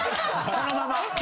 そのまま。